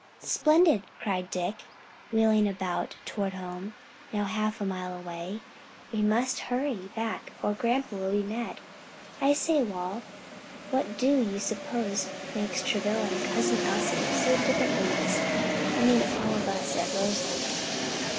"Splendid!" cried Dick, wheeling about toward home, now half a mile away, "but we must hurry back or grandpa will be mad. I say Wal, what do you s'pose makes Travilla and Cousin Elsie so different from us? I mean all of us at Roselands."